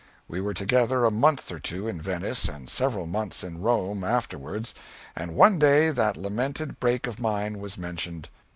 We were together a month or two in Venice and several months in Rome, afterwards, and one day that lamented break of mine was mentioned.